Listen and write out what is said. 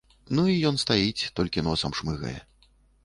Ну і ён стаіць, толькі носам шмыгае.